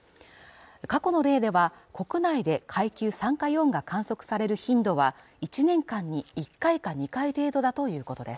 過去の例では国内で階級３か４が観測される頻度は１年間に１回か２回程度だということです